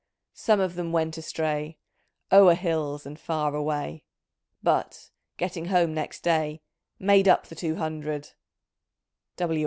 Some of them went astray. O'er hills and far away, But, getting home next day. Made up the two hundred."